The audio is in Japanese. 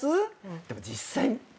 でも実際。